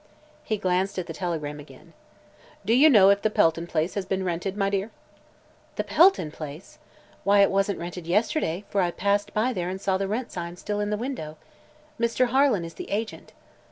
He glanced at the telegram again. "Do you know if the Pelton place has been rented, my dear?" "The Pelton place? Why, it wasn't rented yesterday, for I passed by there and saw the rent sign still in the window. Mr. Harlan is the agent."